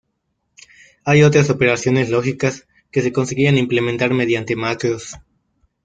Hay otras operaciones lógicas que se conseguían implementar mediante macros.